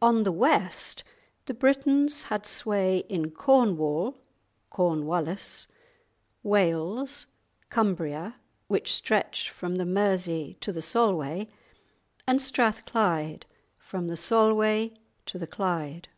On the west the Britons had sway in Cornwall (Corn Walles), Wales, Cumbria (which stretched from the Mersey to the Solway), and Strathclyde (from the Solway to the Clyde).